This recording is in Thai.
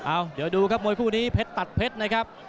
อ้าวเดี๋ยวดูครับมวยผู้นี้เผ็ดตัดเผ็ดนะครับ